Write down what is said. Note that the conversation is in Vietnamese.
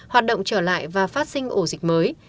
hoạt động trở lại và phát sinh ổ dịch mới